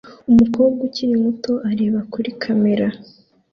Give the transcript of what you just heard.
Umukobwa ukiri muto areba kuri kamera